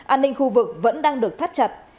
an ninh khu vực vẫn đang được thắt chặt